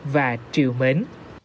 và triều mến